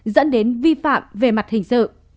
dẫn đến vi phạm về mặt hình sự